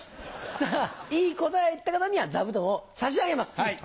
さぁいい答えを言った方には座布団を差し上げます。